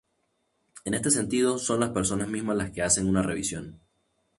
En este sentido, son las personas mismas las que hacen una revisión.